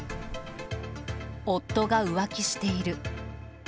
夫が浮気している。